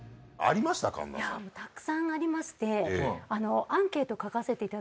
いやたくさんありまして。